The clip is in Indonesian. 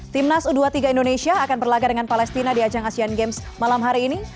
timnas u dua puluh tiga indonesia akan berlagak dengan palestina di ajang asean games malam hari ini